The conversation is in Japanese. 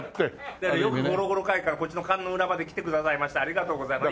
だからよく５６５６会館こっちの観音裏まで来てくださいましてありがとうございます。